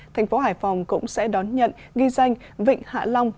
thành phố hải phòng cũng sẽ đón nhận ghi danh vịnh hạ long